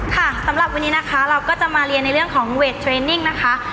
สำหรับวันนี้นะคะเราก็จะมาเรียนในเรื่องของเวทเทรนนิ่งนะคะ